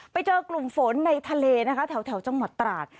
ไปเจอกลุ่มฝนในทะเลนะคะแถวจังหวัดตราด